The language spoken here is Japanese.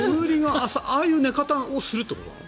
ああいう寝方をするっていうこと？